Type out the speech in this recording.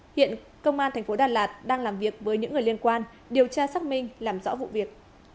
hiện công an thành phố đà lạt đang làm việc với những người liên quan điều tra xác minh làm rõ vụ việc